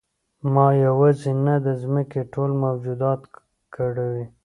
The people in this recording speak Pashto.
ما یوازې نه د ځمکې ټول موجودات کړوي.